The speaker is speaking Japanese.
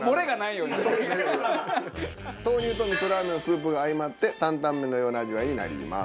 豆乳とみそラーメンのスープが相まって担々麺のような味わいになります。